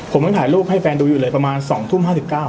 ผมยังถ่ายรูปให้แฟนดูอยู่เลยประมาณ๒ทุ่ม๕๙